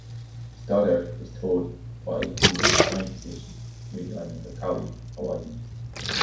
"Stoddard" was towed by to an assigned position near the island of Kauai, Hawaii.